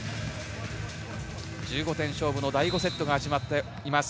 １５点勝負の第５セットが始まっています。